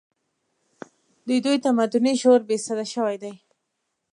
د دوی تمدني شعور بې سده شوی دی